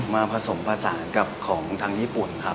ผสมผสานกับของทางญี่ปุ่นครับ